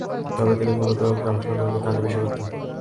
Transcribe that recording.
তবে তিনি মূলত গবেষণাধর্মী কাজই বেশি করতেন।